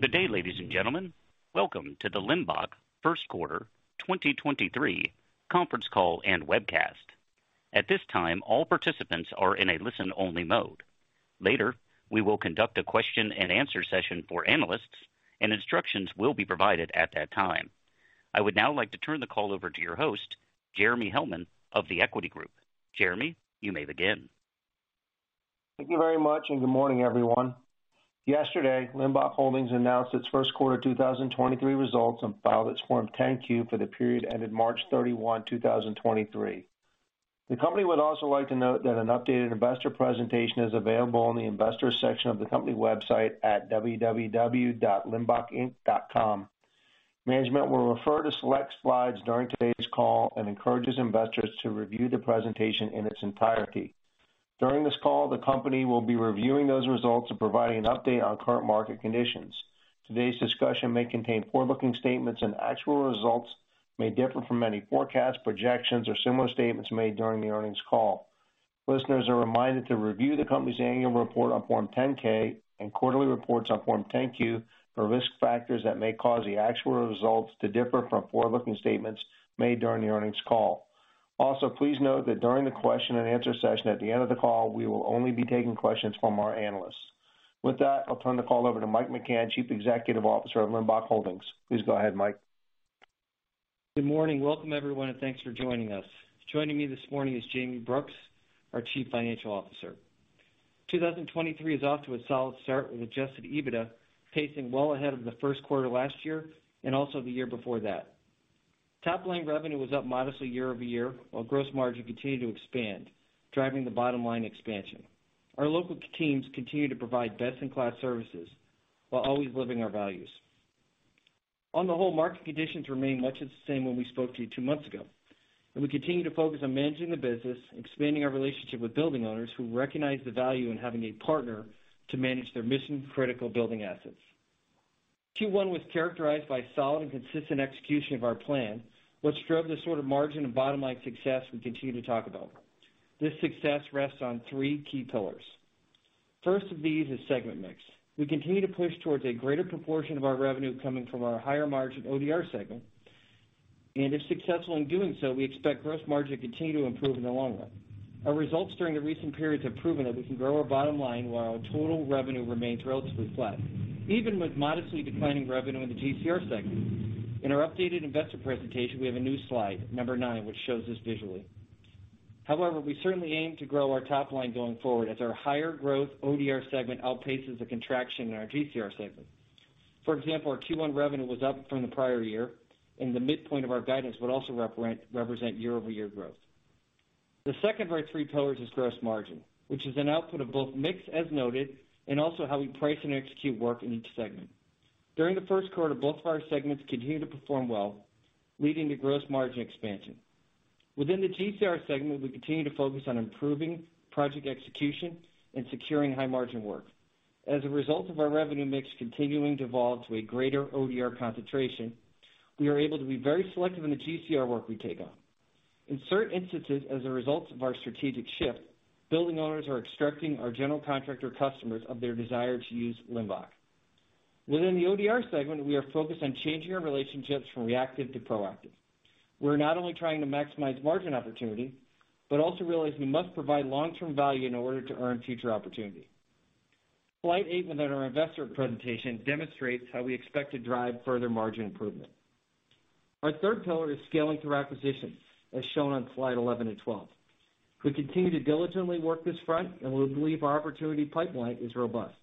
Good day, ladies and gentlemen. Welcome to the Limbach 1st quarter 2023 conference call and webcast. At this time, all participants are in a listen-only mode. Later, we will conduct a question and answer session for analysts, and instructions will be provided at that time. I would now like to turn the call over to your host, Jeremy Hellman of The Equity Group. Jeremy, you may begin. Thank you very much, and good morning, everyone. Yesterday, Limbach Holdings announced its first quarter 2023 results and filed its Form 10-Q for the period ended March 31, 2023. The company would also like to note that an updated investor presentation is available on the investors section of the company website at www.limbachinc.com. Management will refer to select slides during today's call and encourages investors to review the presentation in its entirety. During this call, the company will be reviewing those results and providing an update on current market conditions. Today's discussion may contain forward-looking statements, and actual results may differ from any forecasts, projections, or similar statements made during the earnings call. Listeners are reminded to review the company's annual report on Form 10-K and quarterly reports on Form 10-Q for risk factors that may cause the actual results to differ from forward-looking statements made during the earnings call. Please note that during the question and answer session at the end of the call, we will only be taking questions from our analysts. With that, I'll turn the call over to Mike McCann, Chief Executive Officer of Limbach Holdings. Please go ahead, Mike. Good morning. Welcome, everyone, and thanks for joining us. Joining me this morning is Jayme Brooks, our Chief Financial Officer. 2023 is off to a solid start, with adjusted EBITDA pacing well ahead of the 1st quarter last year and also the year before that. Top-line revenue was up modestly year-over-year, while gross margin continued to expand, driving the bottom-line expansion. Our local teams continue to provide best-in-class services while always living our values. On the whole, market conditions remain much the same when we spoke to you two months ago, and we continue to focus on managing the business, expanding our relationship with building owners who recognize the value in having a partner to manage their mission-critical building assets. Q1 was characterized by solid and consistent execution of our plan, which drove the sort of margin and bottom-line success we continue to talk about. This success rests on three key pillars. First of these is segment mix. We continue to push towards a greater proportion of our revenue coming from our higher margin ODR segment. If successful in doing so, we expect gross margin to continue to improve in the long run. Our results during the recent periods have proven that we can grow our bottom line while our total revenue remains relatively flat, even with modestly declining revenue in the GCR segment. In our updated investor presentation, we have a new slide, number nine, which shows this visually. We certainly aim to grow our top line going forward as our higher growth ODR segment outpaces the contraction in our GCR segment. For example, our Q1 revenue was up from the prior year. The midpoint of our guidance would also represent year-over-year growth. The second of our three pillars is gross margin, which is an output of both mix, as noted, and also how we price and execute work in each segment. During the first quarter, both of our segments continued to perform well, leading to gross margin expansion. Within the GCR segment, we continue to focus on improving project execution and securing high margin work. As a result of our revenue mix continuing to evolve to a greater ODR concentration, we are able to be very selective in the GCR work we take on. In certain instances, as a result of our strategic shift, building owners are instructing our general contractor customers of their desire to use Limbach. Within the ODR segment, we are focused on changing our relationships from reactive to proactive. We're not only trying to maximize margin opportunity, but also realize we must provide long-term value in order to earn future opportunity. Slide eight within our investor presentation demonstrates how we expect to drive further margin improvement. Our third pillar is scaling through acquisitions, as shown on slide 11 and 12. We continue to diligently work this front, and we believe our opportunity pipeline is robust.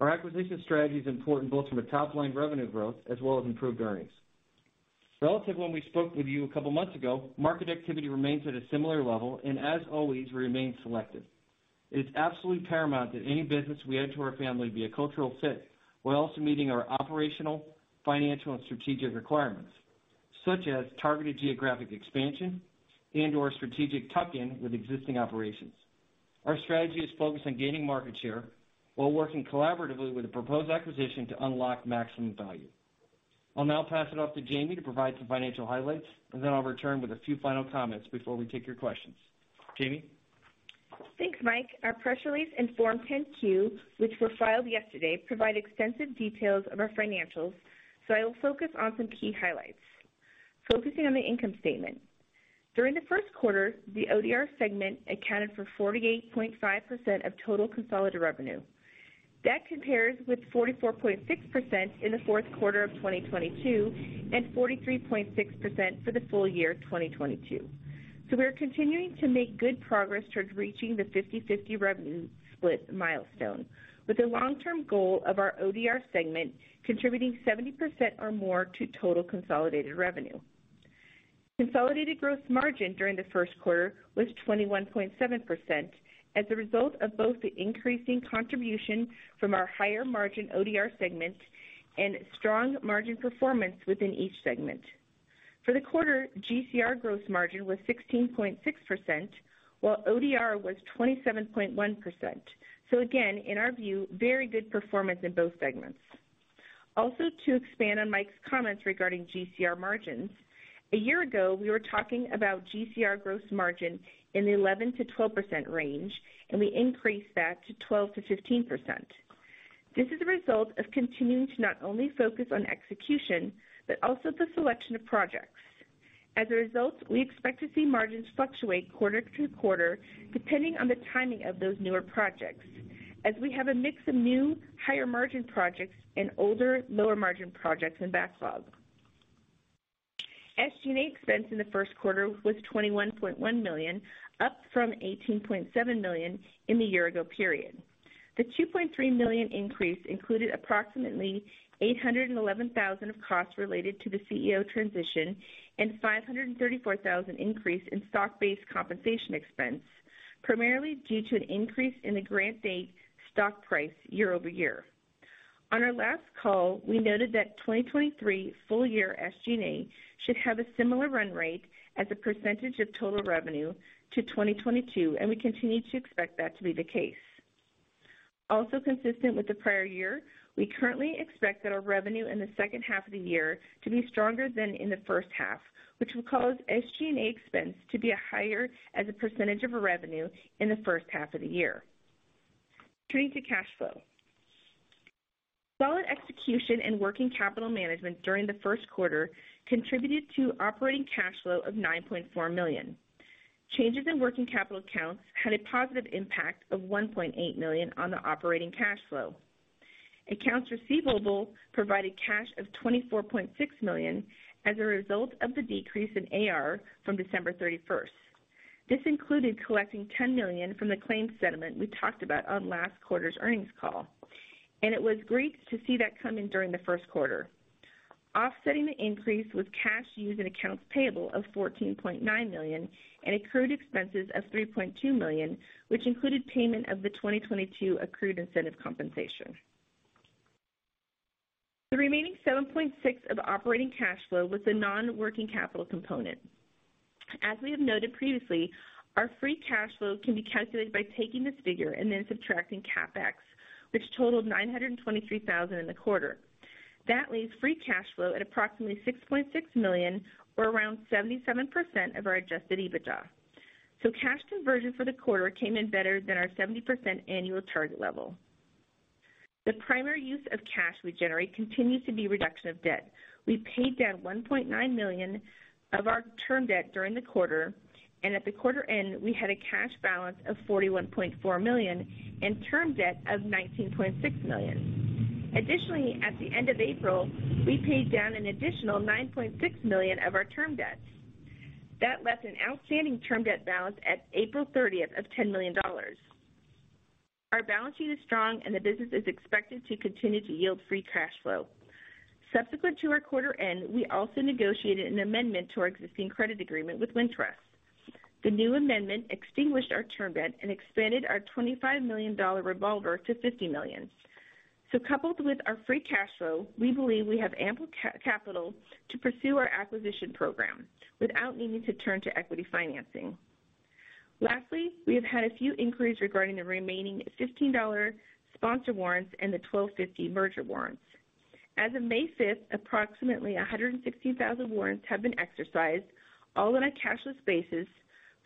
Our acquisition strategy is important both from a top-line revenue growth as well as improved earnings. Relative to when we spoke with you a couple of months ago, market activity remains at a similar level, and as always, we remain selective. It is absolutely paramount that any business we add to our family be a cultural fit while also meeting our operational, financial, and strategic requirements, such as targeted geographic expansion and/or strategic tuck-in with existing operations. Our strategy is focused on gaining market share while working collaboratively with the proposed acquisition to unlock maximum value. I'll now pass it off to Jayme to provide some financial highlights, and then I'll return with a few final comments before we take your questions. Jayme? Thanks, Mike. Our press release and Form 10-Q, which were filed yesterday, provide extensive details of our financials. I will focus on some key highlights. Focusing on the income statement. During the first quarter, the ODR segment accounted for 48.5% of total consolidated revenue. That compares with 44.6% in the fourth quarter of 2022 and 43.6% for the full year 2022. We are continuing to make good progress towards reaching the 50/50 revenue split milestone with the long-term goal of our ODR segment contributing 70% or more to total consolidated revenue. Consolidated gross margin during the first quarter was 21.7% as a result of both the increasing contribution from our higher margin ODR segment and strong margin performance within each segment. For the quarter, GCR gross margin was 16.6%, while ODR was 27.1%. Again, in our view, very good performance in both segments. Also, to expand on Mike's comments regarding GCR margins. A year ago, we were talking about GCR gross margin in the 11%-12% range, and we increased that to 12%-15%. This is a result of continuing to not only focus on execution, but also the selection of projects. As a result, we expect to see margins fluctuate quarter to quarter depending on the timing of those newer projects as we have a mix of new higher margin projects and older lower margin projects in backlog. SG&A expense in the first quarter was $21.1 million, up from $18.7 million in the year ago period. The $2.3 million increase included approximately $811,000 of costs related to the CEO transition and $534,000 increase in stock-based compensation expense, primarily due to an increase in the grant date stock price year-over-year. On our last call, we noted that 2023 full year SG&A should have a similar run rate as a percentage of total revenue to 2022, and we continue to expect that to be the case. Also consistent with the prior year, we currently expect that our revenue in the second half of the year to be stronger than in the first half, which will cause SG&A expense to be higher as a percentage of our revenue in the first half of the year. Turning to cash flow. Solid execution and working capital management during the first quarter contributed to operating cash flow of $9.4 million. Changes in working capital accounts had a positive impact of $1.8 million on the operating cash flow. Accounts receivable provided cash of $24.6 million as a result of the decrease in AR from December 31st. This included collecting $10 million from the claims settlement we talked about on last quarter's earnings call, and it was great to see that come in during the first quarter. Offsetting the increase was cash used in accounts payable of $14.9 million and accrued expenses of $3.2 million, which included payment of the 2022 accrued incentive compensation. The remaining $7.6 million of operating cash flow was a non-working capital component. As we have noted previously, our free cash flow can be calculated by taking this figure and then subtracting CapEx, which totaled $923,000 in the quarter. That leaves free cash flow at approximately $6.6 million or around 77% of our adjusted EBITDA. Cash conversion for the quarter came in better than our 70% annual target level. The primary use of cash we generate continues to be reduction of debt. We paid down $1.9 million of our term debt during the quarter, and at the quarter end, we had a cash balance of $41.4 million and term debt of $19.6 million. Additionally, at the end of April, we paid down an additional $9.6 million of our term debt. That left an outstanding term debt balance at April 30th of $10 million. Our balance sheet is strong and the business is expected to continue to yield free cash flow. Subsequent to our quarter end, we also negotiated an amendment to our existing credit agreement with Wintrust. The new amendment extinguished our term debt and expanded our $25 million revolver to $50 million. Coupled with our free cash flow, we believe we have ample capital to pursue our acquisition program without needing to turn to equity financing. Lastly, we have had a few inquiries regarding the remaining $15 sponsor warrants and the $12.50 merger warrants. As of May 5th, approximately 160,000 warrants have been exercised all on a cashless basis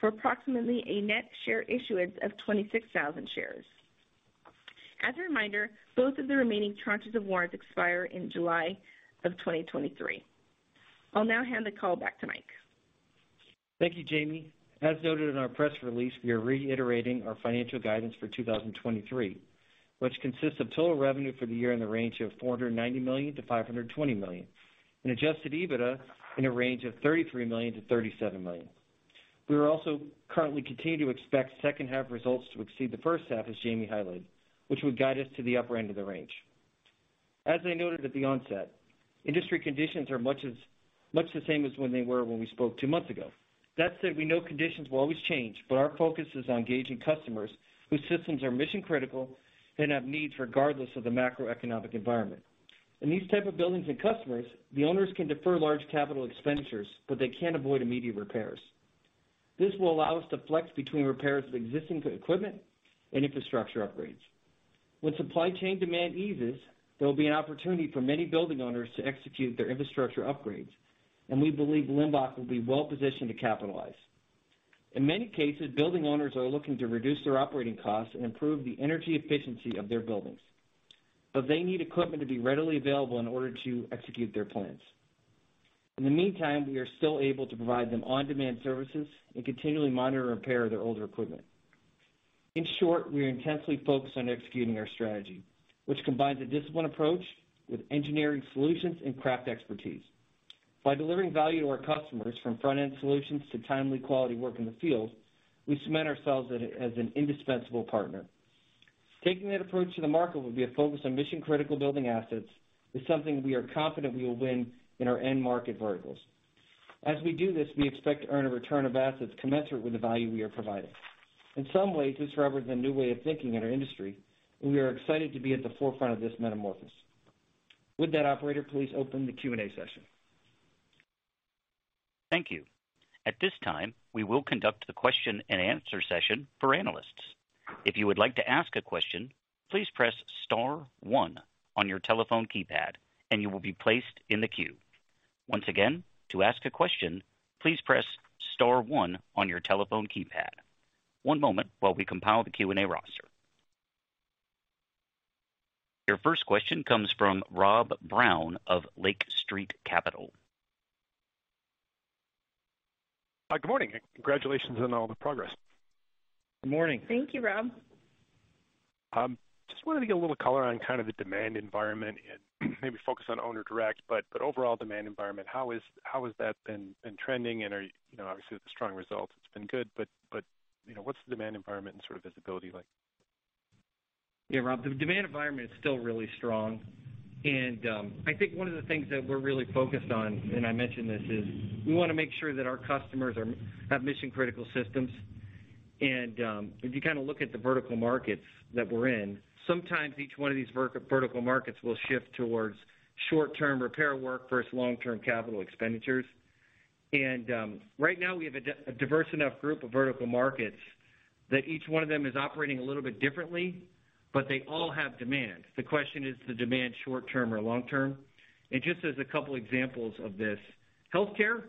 for approximately a net share issuance of 26,000 shares. As a reminder, both of the remaining tranches of warrants expire in July of 2023. I'll now hand the call back to Mike. Thank you, Jayme. As noted in our press release, we are reiterating our financial guidance for 2023, which consists of total revenue for the year in the range of $490 million-$520 million, and adjusted EBITDA in a range of $33 million-$37 million. We are also currently continuing to expect second half results to exceed the first half, as Jayme highlighted, which would guide us to the upper end of the range. As I noted at the onset, industry conditions are much the same as when they were when we spoke two months ago. That said, we know conditions will always change, but our focus is on engaging customers whose systems are mission-critical and have needs regardless of the macroeconomic environment. In these type of buildings and customers, the owners can defer large capital expenditures, but they can't avoid immediate repairs. This will allow us to flex between repairs of existing equipment and infrastructure upgrades. When supply chain demand eases, there will be an opportunity for many building owners to execute their infrastructure upgrades, and we believe Limbach will be well positioned to capitalize. In many cases, building owners are looking to reduce their operating costs and improve the energy efficiency of their buildings. They need equipment to be readily available in order to execute their plans. In the meantime, we are still able to provide them on-demand services and continually monitor and repair their older equipment. In short, we are intensely focused on executing our strategy, which combines a disciplined approach with engineering solutions and craft expertise. By delivering value to our customers from front-end solutions to timely quality work in the field, we cement ourselves as an indispensable partner. Taking that approach to the market will be a focus on mission-critical building assets is something we are confident we will win in our end market verticals. As we do this, we expect to earn a return of assets commensurate with the value we are providing. In some ways, this represents a new way of thinking in our industry, and we are excited to be at the forefront of this metamorphosis. With that, operator, please open the Q&A session. Thank you. At this time, we will conduct the question-and-answer session for analysts. If you would like to ask a question, please press star one on your telephone keypad and you will be placed in the queue. Once again, to ask a question, please press star one on your telephone keypad. One moment while we compile the Q&A roster. Your first question comes from Rob Brown of Lake Street Capital. Good morning, and congratulations on all the progress. Good morning. Thank you, Rob. just wanted to get a little color on kind of the demand environment and maybe focus on owner direct, but overall demand environment. How has that been trending and you know, obviously the strong results, it's been good, but you know, what's the demand environment and sort of visibility like? Yeah, Rob, the demand environment is still really strong. I think one of the things that we're really focused on, and I mentioned this, is we wanna make sure that our customers have mission-critical systems. If you kind of look at the vertical markets that we're in, sometimes each one of these vertical markets will shift towards short-term repair work versus long-term capital expenditures. Right now we have a diverse enough group of vertical markets that each one of them is operating a little bit differently, but they all have demand. The question is the demand short term or long term? Just as a couple examples of this, healthcare,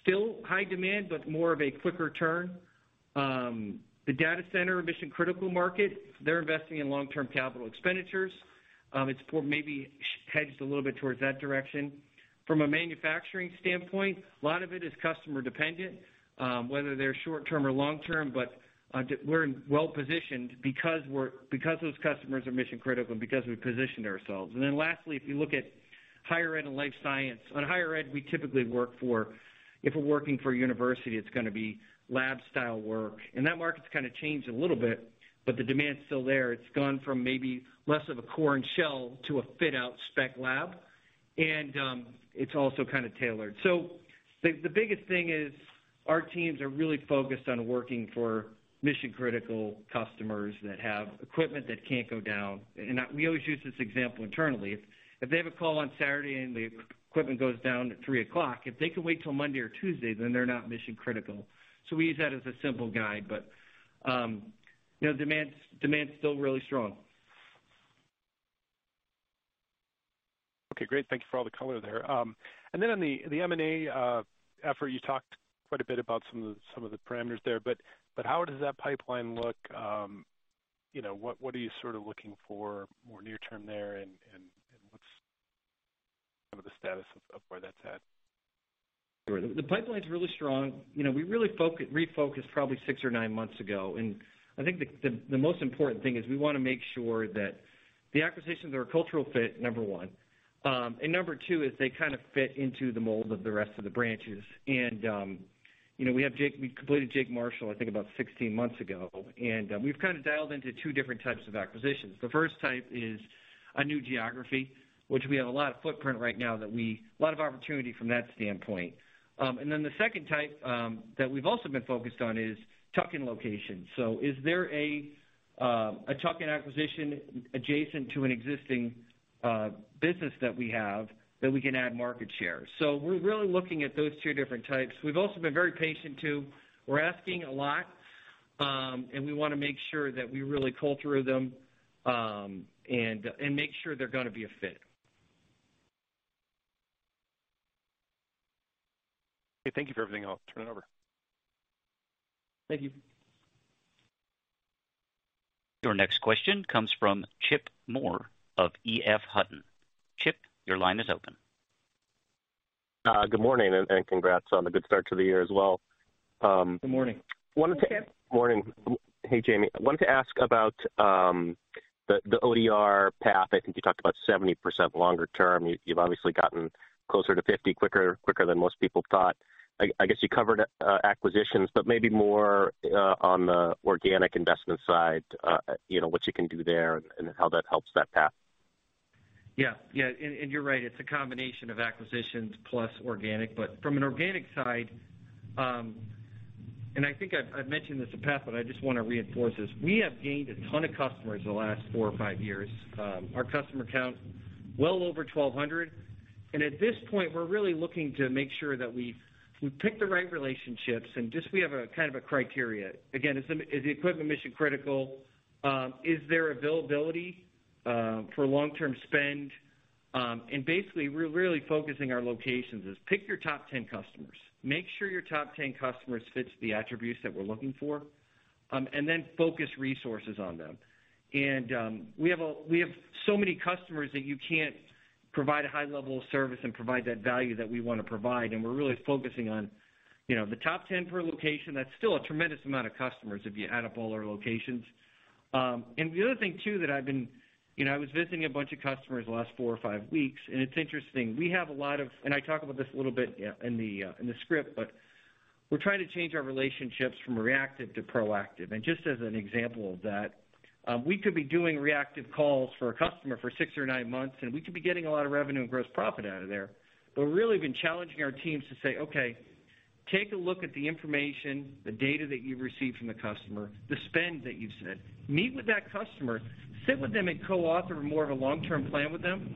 still high demand, but more of a quicker turn. The data center mission-critical market, they're investing in long-term capital expenditures. It's more maybe hedged a little bit towards that direction. From a manufacturing standpoint, a lot of it is customer dependent, whether they're short term or long term, but we're in well-positioned because those customers are mission critical and because we've positioned ourselves. Lastly, if you look at higher ed and life science. On higher ed, we typically work for, if we're working for a university, it's gonna be lab style work. That market's kind of changed a little bit, but the demand's still there. It's gone from maybe less of a core and shell to a fit out spec lab. It's also kind of tailored. The, the biggest thing is our teams are really focused on working for mission-critical customers that have equipment that can't go down. We always use this example internally. If they have a call on Saturday and the equipment goes down at 3:00, if they can wait till Monday or Tuesday, then they're not mission critical. We use that as a simple guide. you know, demand's still really strong. Okay, great. Thank you for all the color there. On the M&A effort, you talked quite a bit about some of the parameters there, but how does that pipeline look? You know, what are you sort of looking for more near term there and what's some of the status of where that's at? Sure. The pipeline's really strong. You know, we really refocused probably six or nine months ago. I think the most important thing is we wanna make sure that the acquisitions are a cultural fit, number one. Number two is they kind of fit into the mold of the rest of the branches. You know, we completed Jake Marshall, I think, about 16 months ago. We've kinda dialed into two different types of acquisitions. The first type is a new geography, which we have a lot of footprint right now that we lot of opportunity from that standpoint. Then the second type that we've also been focused on is tuck-in locations. Is there a tuck-in acquisition adjacent to an existing business that we have that we can add market share? We're really looking at those two different types. We've also been very patient too. We're asking a lot, and we wanna make sure that we really culture them, and make sure they're gonna be a fit. Okay. Thank you for everything else. Turning over. Thank you. Your next question comes from Chip Moore of EF Hutton. Chip, your line is open. good morning, and congrats on the good start to the year as well. Good morning. Good morning, Chip. Morning. Hey, Jayme. I wanted to ask about the ODR path. I think you talked about 70% longer term. You've obviously gotten closer to 50 quicker than most people thought. I guess you covered acquisitions, but maybe more on the organic investment side. You know, what you can do there and how that helps that path. Yeah. Yeah. You're right, it's a combination of acquisitions plus organic. From an organic side, and I think I've mentioned this in the past, but I just wanna reinforce this. We have gained a ton of customers in the last four or five years. Our customer count, well over 1,200. At this point, we're really looking to make sure that we've picked the right relationships and just we have a kind of a criteria. Again, is the equipment mission critical? Is there availability for long-term spend? Basically we're really focusing our locations is pick your top 10 customers, make sure your top 10 customers fits the attributes that we're looking for, and then focus resources on them. We have so many customers that you can't provide a high level of service and provide that value that we wanna provide, and we're really focusing on, you know, the top 10 per location. That's still a tremendous amount of customers if you add up all our locations. You know, I was visiting a bunch of customers the last four or five weeks, and it's interesting. We have a lot of, and I talk about this a little bit yeah, in the script, but we're trying to change our relationships from reactive to proactive. Just as an example of that, we could be doing reactive calls for a customer for six or nine months, and we could be getting a lot of revenue and gross profit out of there. Really we've been challenging our teams to say, "Okay, take a look at the information, the data that you've received from the customer, the spend that you've said. Meet with that customer, sit with them and co-author more of a long-term plan with them."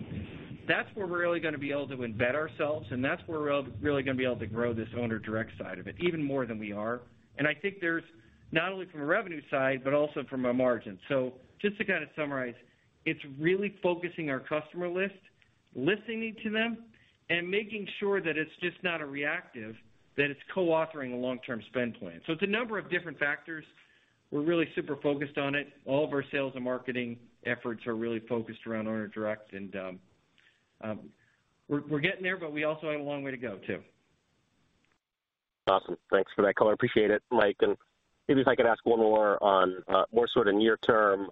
That's where we're really gonna be able to embed ourselves, and that's where we're really gonna be able to grow this owner direct side of it, even more than we are. I think there's not only from a revenue side, but also from a margin. Just to kind of summarize, it's really focusing our customer list. Listening to them and making sure that it's just not a reactive, that it's co-authoring a long-term spend plan. It's a number of different factors. We're really super focused on it. All of our sales and marketing efforts are really focused around owner direct, and we're getting there, but we also have a long way to go too. Awesome. Thanks for that color. I appreciate it, Mike. Maybe if I could ask one more on, more sort of near term,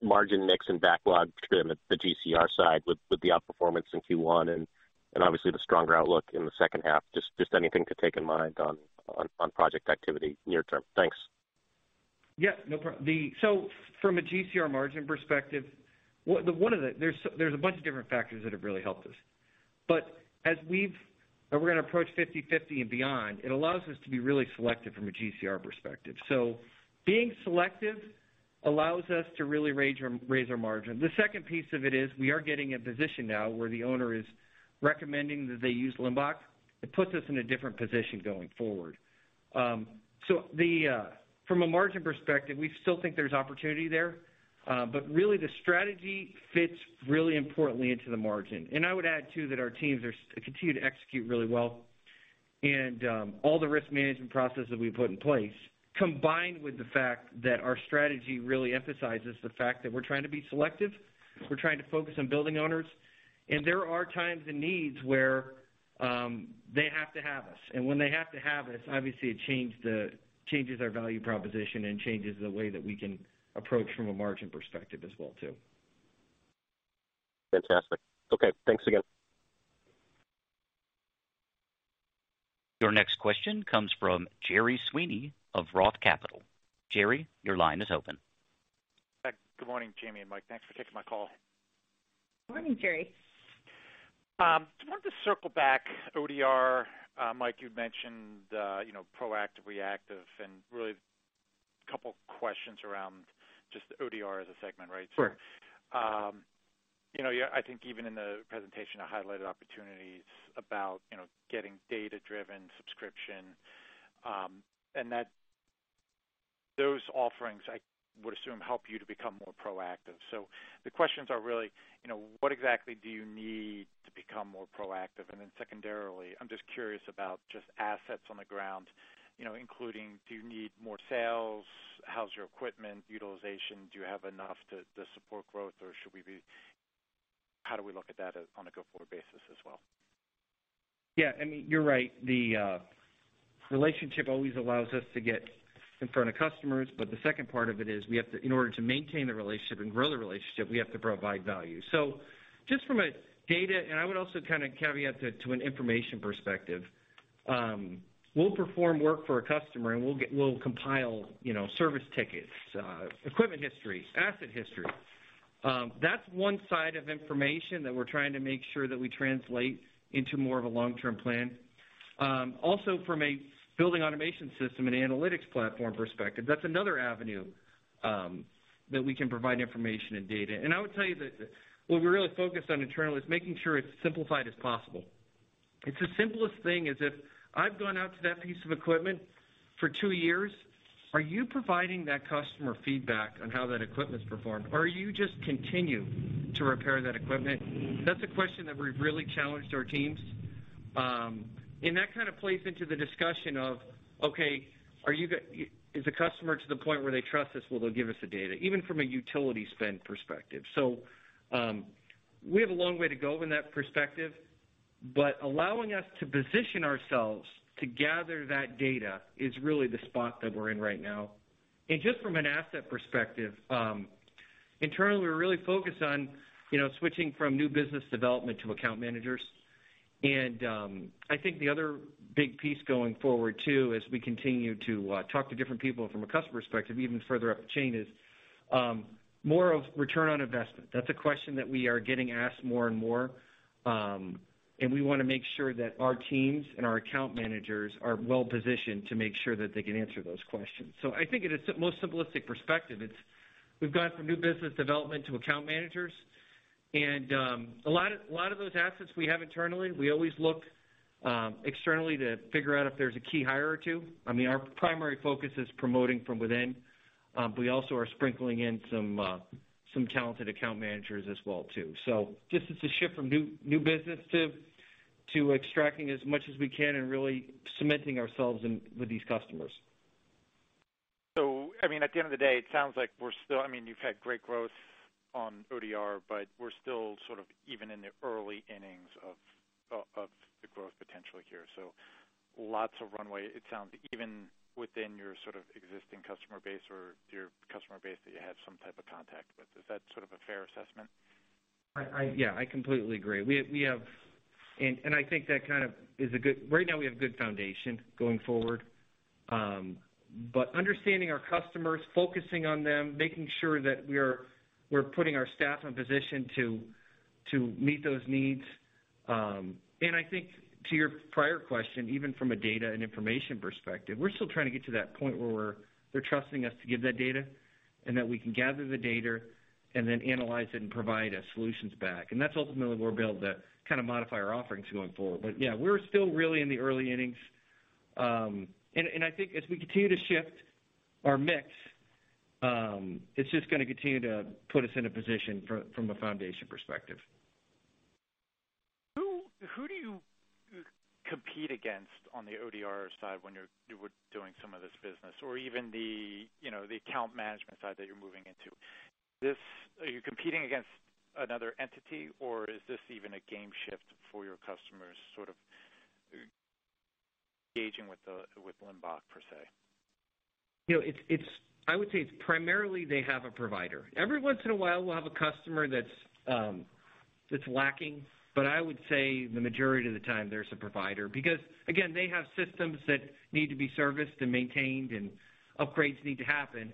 margin mix and backlog driven at the GCR side with the outperformance in Q1 and obviously the stronger outlook in the second half. Just anything to take in mind on project activity near term. Thanks. Yeah. From a GCR margin perspective, there's a bunch of different factors that have really helped us. As we're gonna approach 50/50 and beyond, it allows us to be really selective from a GCR perspective. Being selective allows us to really raise our margin. The second piece of it is we are getting a position now where the owner is recommending that they use Limbach. It puts us in a different position going forward. From a margin perspective, we still think there's opportunity there. Really the strategy fits really importantly into the margin. I would add too that our teams continue to execute really well. All the risk management processes we put in place, combined with the fact that our strategy really emphasizes the fact that we're trying to be selective, we're trying to focus on building owners, and there are times and needs where, they have to have us. When they have to have us, obviously it changes our value proposition and changes the way that we can approach from a margin perspective as well, too. Fantastic. Okay. Thanks again. Your next question comes from Gerry Sweeney of Roth Capital Partners. Gerry, your line is open. Good morning, Jayme and Mike. Thanks for taking my call. Morning, Gerry. just wanted to circle back ODR. Mike, you'd mentioned, you know, proactive, reactive, and really a couple questions around just ODR as a segment, right? Sure. I think even in the presentation, I highlighted opportunities about, getting data-driven subscription, and that those offerings, I would assume, help you to become more proactive. The questions are really, what exactly do you need to become more proactive? Secondarily, I'm just curious about just assets on the ground, including do you need more sales? How's your equipment utilization? Do you have enough to support growth, or how do we look at that on a go-forward basis as well? I mean, you're right. The relationship always allows us to get in front of customers, but the second part of it is we have to in order to maintain the relationship and grow the relationship, we have to provide value. Just from a data, and I would also kind of caveat to an information perspective, we'll perform work for a customer, and we'll compile, you know, service tickets, equipment history, asset history. That's one side of information that we're trying to make sure that we translate into more of a long-term plan. Also from a building automation system and analytics platform perspective, that's another avenue that we can provide information and data. I would tell you that what we're really focused on internally is making sure it's simplified as possible. It's the simplest thing is if I've gone out to that piece of equipment for two years, are you providing that customer feedback on how that equipment's performed or you just continue to repair that equipment? That's a question that we've really challenged our teams. That kind of plays into the discussion of, okay, is the customer to the point where they trust us, will they give us the data, even from a utility spend perspective. We have a long way to go in that perspective, but allowing us to position ourselves to gather that data is really the spot that we're in right now. Just from an asset perspective, internally, we're really focused on, you know, switching from new business development to account managers. I think the other big piece going forward too, as we continue to talk to different people from a customer perspective, even further up the chain, is more of return on investment. That's a question that we are getting asked more and more, and we wanna make sure that our teams and our account managers are well positioned to make sure that they can answer those questions. I think at a most simplistic perspective, it's we've gone from new business development to account managers. A lot of those assets we have internally, we always look externally to figure out if there's a key hire or two. I mean, our primary focus is promoting from within. But we also are sprinkling in some talented account managers as well too. just it's a shift from new business to extracting as much as we can and really cementing ourselves in with these customers. I mean, at the end of the day, it sounds like we're still, I mean, you've had great growth on ODR, but we're still sort of even in the early innings of the growth potential here. Lots of runway, it sounds, even within your sort of existing customer base or your customer base that you have some type of contact with. Is that sort of a fair assessment? I. Yeah, I completely agree. We, we have. I think that kind of is a good. Right now, we have good foundation going forward. But understanding our customers, focusing on them, making sure that we're putting our staff in position to meet those needs. I think to your prior question, even from a data and information perspective, we're still trying to get to that point where they're trusting us to give that data, and that we can gather the data and then analyze it and provide a solutions back. That's ultimately where we'll be able to kind of modify our offerings going forward. Yeah, we're still really in the early innings. I think as we continue to shift our mix. It's just gonna continue to put us in a position from a foundation perspective. Who do you compete against on the ODR side when you were doing some of this business or even the, you know, the account management side that you're moving into this? Are you competing against another entity, or is this even a game shift for your customers sort of engaging with Limbach per se? You know, I would say it's primarily they have a provider. Every once in a while, we'll have a customer that's that's lacking, but I would say the majority of the time there's a provider, because again, they have systems that need to be serviced and maintained and upgrades need to happen.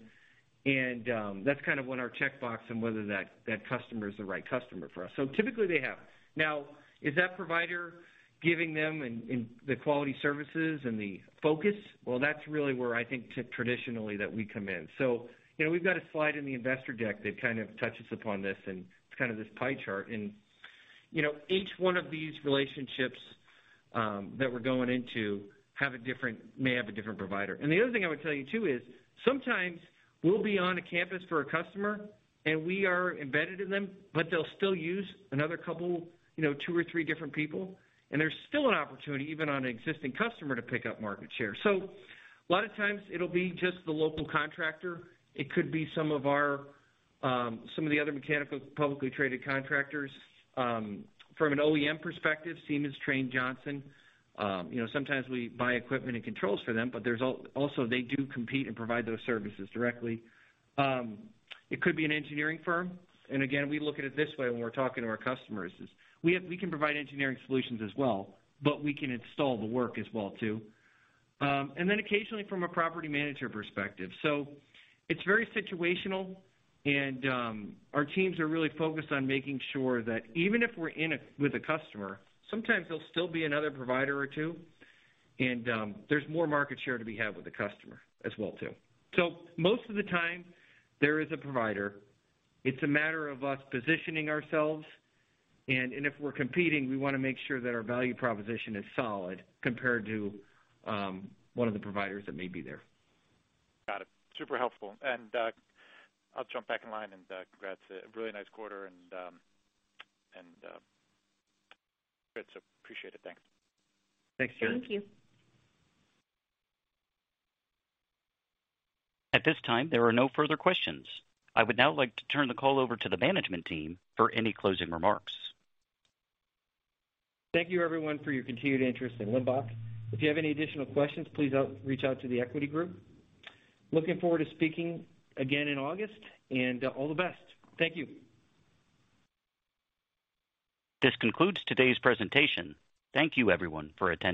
That's kind of when our checkbox and whether that customer is the right customer for us. Typically they have. Now, is that provider giving them the quality services and the focus? Well, that's really where I think traditionally that we come in. You know, we've got a slide in the investor deck that kind of touches upon this, and it's kind of this pie chart. You know, each one of these relationships that we're going into have a different may have a different provider. The other thing I would tell you too is sometimes we'll be on a campus for a customer, and we are embedded in them, but they'll still use another couple, you know, two or three different people, and there's still an opportunity, even on an existing customer, to pick up market share. A lot of times it'll be just the local contractor. It could be some of our, some of the other mechanical publicly traded contractors. From an OEM perspective, Siemens, Trane, Johnson. You know, sometimes we buy equipment and controls for them, but there's also they do compete and provide those services directly. It could be an engineering firm. Again, we look at it this way when we're talking to our customers is we can provide engineering solutions as well, but we can install the work as well too. Occasionally from a property manager perspective. It's very situational and our teams are really focused on making sure that even if we're with a customer, sometimes there'll still be another provider or two. There's more market share to be had with the customer as well too. Most of the time there is a provider. It's a matter of us positioning ourselves, and if we're competing, we wanna make sure that our value proposition is solid compared to one of the providers that may be there. Got it. Super helpful. I'll jump back in line, congrats. A really nice quarter, it's appreciated. Thanks. Thanks, Gerry. Thank you. At this time, there are no further questions. I would now like to turn the call over to the management team for any closing remarks. Thank you everyone for your continued interest in Limbach. If you have any additional questions, please reach out to The Equity Group. Looking forward to speaking again in August. All the best. Thank you. This concludes today's presentation. Thank you everyone for attending.